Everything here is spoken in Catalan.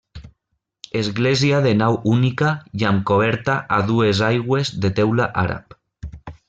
Església de nau única i amb coberta a dues aigües de teula àrab.